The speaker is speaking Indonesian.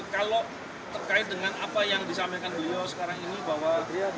kalau terkait dengan apa yang disampaikan beliau sekarang ini bahwa